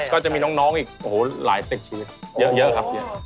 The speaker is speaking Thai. ก็จะมีน้องอีกโอ้โหหลายสิบชีวิตเยอะครับ